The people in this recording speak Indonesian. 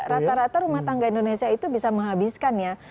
rata rata rumah tangga indonesia itu bisa menghabiskan ya